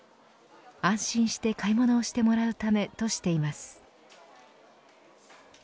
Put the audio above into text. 安心して買い物をしてもらうためとしています。